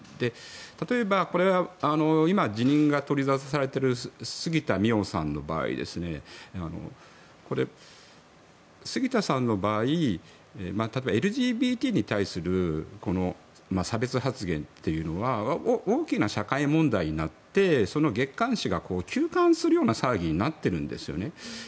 例えば、これは今、辞任が取り沙汰されている杉田水脈さんの場合これ、杉田さんの場合例えば、ＬＧＢＴに対する差別発言というのは大きな社会問題になってその月刊誌が休刊するような騒ぎになってるんですよね。